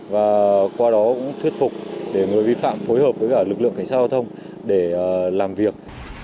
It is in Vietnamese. và qua đó cũng thuyết phục để người vi phạm phối hợp với cả lực lượng cảnh sát giao thông để làm việc